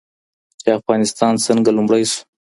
چې افغانستان څنګه لومړی شو.